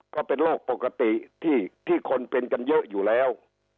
ก็เป็นโรคปกติที่คนเป็นกันเยอะอยู่แล้ว